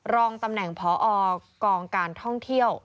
รองตำแหน่งพอกองการท่องเที่ยว